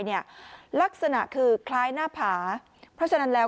เนี่ยลักษณะคือคล้ายหน้าผาเพราะฉะนั้นแล้ว